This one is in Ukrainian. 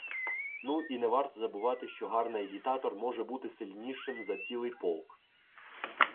Ну і не варто забувати, що гарний агітатор може бути сильнішим за цілий полк.